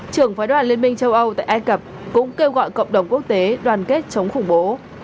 trưởng phái đoàn liên minh châu âu tại ai cập cũng kêu gọi cộng đồng quốc tế đoàn kết chống khủng bố